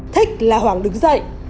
thích là hoàng đứng dậy